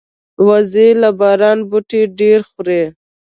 وزې له باراني بوټي ډېر خوري